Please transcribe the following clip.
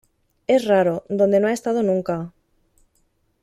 es raro. donde no ha estado nunca